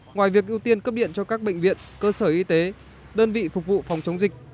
ngoài việc ưu tiên cấp điện cho các bệnh viện cơ sở y tế đơn vị phục vụ phòng chống dịch